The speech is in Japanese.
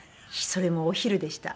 それもお昼でした。